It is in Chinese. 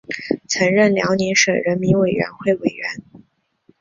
曾任辽宁省人民委员会委员。